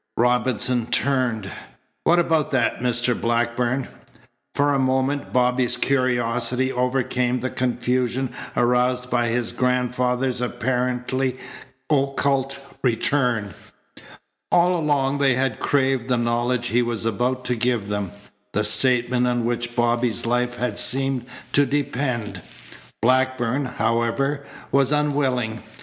Robinson turned. "What about that, Mr. Blackburn?" For a moment Bobby's curiosity overcame the confusion aroused by his grandfather's apparently occult return. All along they had craved the knowledge he was about to give them, the statement on which Bobby's life had seemed to depend. Blackburn, however, was unwilling.